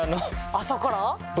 朝から？